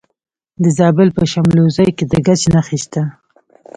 د زابل په شمولزای کې د ګچ نښې شته.